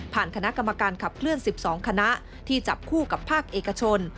คณะกรรมการขับเคลื่อน๑๒คณะที่จับคู่กับภาคเอกชน